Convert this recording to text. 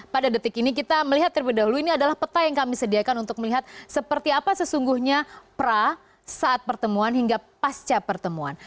pada detik ini kita melihat terlebih dahulu ini adalah peta yang kami sediakan untuk melihat seperti apa sesungguhnya pra saat pertemuan hingga pasca pertemuan